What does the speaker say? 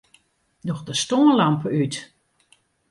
Doch de stânlampe út.